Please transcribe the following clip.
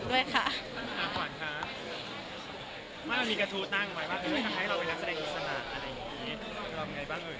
ลาเมื่อไปบ้างบางทีเตรียมตกลง